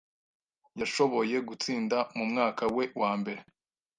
Yashoboye gutsinda mumwaka we wambere